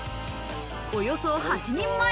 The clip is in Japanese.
およそ８人前。